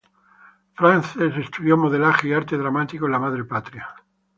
Frances estudió modelaje y arte dramático en la madre patria.